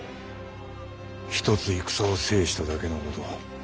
一つ戦を制しただけのこと。